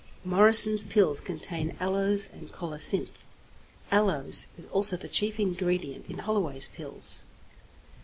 Morrison's pills contain aloes and colocynth; aloes is also the chief ingredient in Holloway's pills.